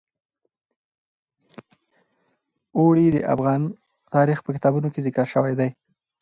اوړي د افغان تاریخ په کتابونو کې ذکر شوی دي.